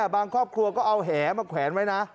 บางครอบครัวก็เอาแหมาแขวนไว้นะ